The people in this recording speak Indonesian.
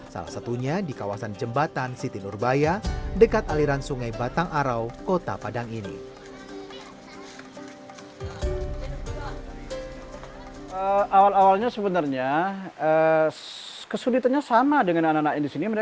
salah satunya di kawasan jembatan siti nurbaya dekat aliran sungai batang arau kota padang ini